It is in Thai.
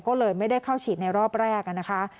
ก็เลยไม่ได้เข้าฉีดในรอบแรกนะคะ